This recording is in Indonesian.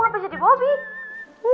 ngapa jadi bobby